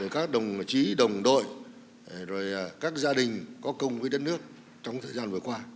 các đồng chí đồng đội các gia đình có công với đất nước trong thời gian vừa qua